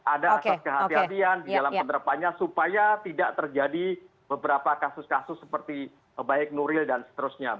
ada asas kehatian di dalam penerapannya supaya tidak terjadi beberapa kasus kasus seperti baik nuril dan seterusnya